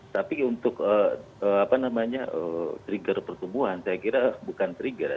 tapi untuk trigger pertumbuhan saya kira bukan trigger ya